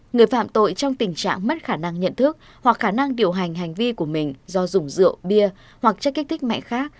người phạm tội trong tình trạng mất khả năng nhận thức hoặc khả năng điều hành hành vi của mình do dùng rượu bia hoặc chất kích thích mạnh khác